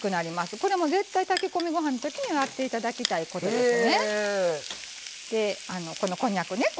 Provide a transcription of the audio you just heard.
これは絶対炊き込みご飯のときにはやっていただきたいですね。